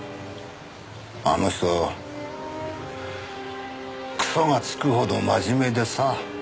あの人クソがつくほど真面目でさ